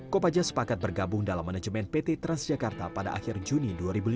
kopaja sepakat bergabung dalam manajemen pt transjakarta pada akhir juni dua ribu lima belas